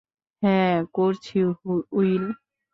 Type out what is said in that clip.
হ্যাঁ, করছি উইল।